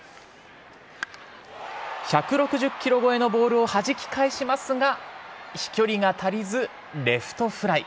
１６０キロ超えのボールをはじき返しますが飛距離が足りず、レフトフライ。